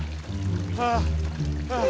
はあはあ